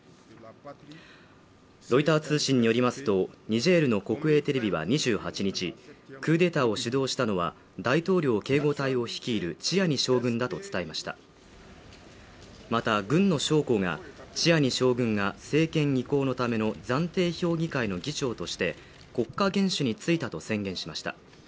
ロイター通信によりますとニジェールの国営テレビは２８日クーデターを主導したのは大統領警護隊を率いるチアニ将軍だと伝えましたまた軍の将校がチアニ将軍が政権移行のための暫定評議会の議長として国家元首についたと宣言しました